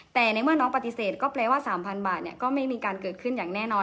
แต่ในเมื่อน้องปฏิเสธก็แปลว่า๓๐๐๐บาทก็ไม่มีการเกิดขึ้นอย่างแน่นอน